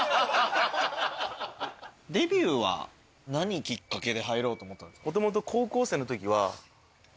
何きっかけで入ろうと思ったんですか？